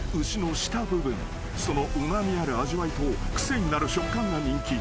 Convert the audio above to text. ［そのうま味ある味わいと癖になる食感が人気］